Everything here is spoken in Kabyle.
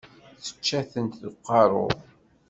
Yečča-tent deg uqerru.